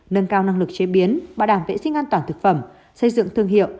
nâng cao năng lực chế biến bảo đảm vệ sinh an toàn thực phẩm xây dựng thương hiệu